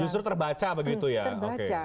justru terbaca begitu ya